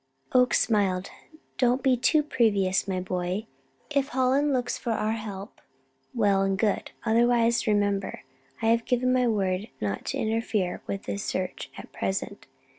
Oakes smiled. "Don't be too previous, my boy. If Hallen looks for our help, well and good. Otherwise, remember, I have given my word not to interfere with his search at present.